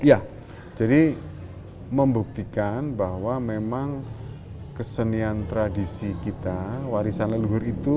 ya jadi membuktikan bahwa memang kesenian tradisi kita warisan leluhur itu